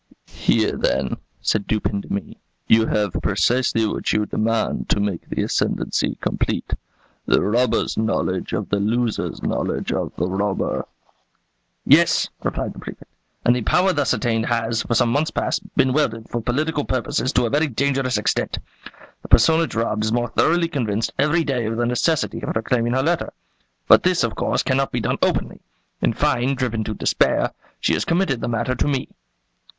"Here, then," said Dupin to me, "you have precisely what you demand to make the ascendency complete, the robber's knowledge of the loser's knowledge of the robber." "Yes," replied the Prefect; "and the power thus attained has, for some months past, been wielded, for political purposes, to a very dangerous extent. The personage robbed is more thoroughly convinced every day of the necessity of reclaiming her letter. But this, of course, cannot be done openly. In fine, driven to despair, she has committed the matter to me."